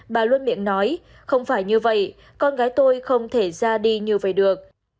bà luôn miệng nói không phải như vậy con gái tôi không thể ra đi như vậy được